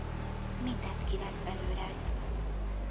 Mindent kivesz belőled.